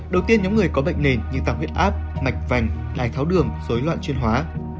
đầu tiên nhóm người có bệnh nền như tăng huyết áp mạch vành đai tháo đường dối loạn chuyển hóa